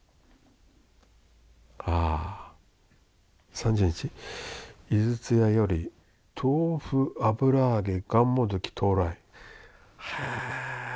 ３０日井筒やよりとうふ油あげがんもどき到来。へ！